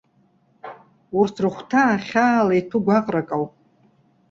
Урҭ рыхәҭаа, хьаала иҭәу гәаҟрак ауп.